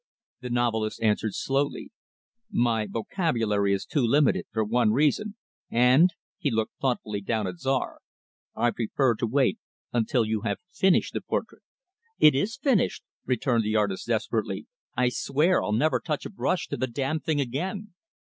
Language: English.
The novelist answered slowly, "My vocabulary is too limited, for one reason, and" he looked thoughtfully down at Czar "I prefer to wait until you have finished the portrait." "It is finished," returned the artist desperately. "I swear I'll never touch a brush to the damned thing again."